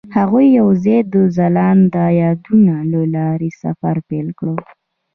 هغوی یوځای د ځلانده یادونه له لارې سفر پیل کړ.